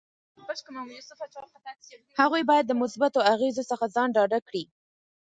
هغوی باید د مثبتو اغیزو څخه ځان ډاډه کړي.